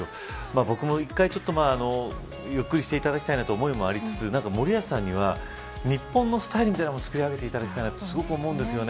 僕も一度ゆっくりしていただきたいという思いもありつつ森保さんには日本のスタイルを作り上げていただきたいと思うんですよね。